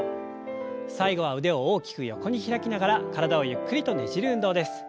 最後は腕を大きく横に開きながら体をゆっくりとねじる運動です。